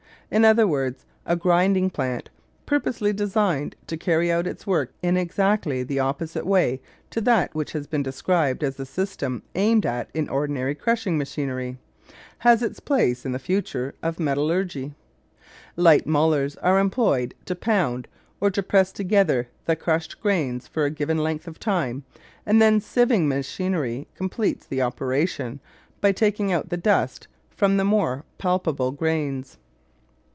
In other words, a grinding plant, purposely designed to carry out its work in exactly the opposite way to that which has been described as the system aimed at in ordinary crushing machinery, has its place in the future of metallurgy. Light mullers are employed to pound, or to press together, the crushed grains for a given length of time, and then sieving machinery completes the operation by taking out the dust from the more palpable grains.